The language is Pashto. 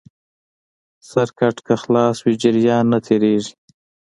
سرکټ که خلاص وي جریان نه تېرېږي.